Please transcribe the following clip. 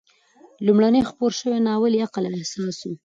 لومړنی خپور شوی ناول یې "عقل او احساس" و.